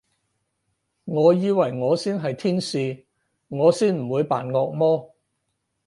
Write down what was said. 我以為我先係天使，我先唔會扮惡魔